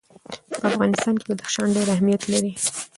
په افغانستان کې بدخشان ډېر اهمیت لري.